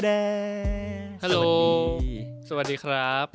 ฮัลโหลสวัสดีครับ